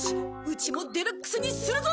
家もデラックスにするぞ！